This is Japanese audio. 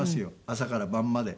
朝から晩まで。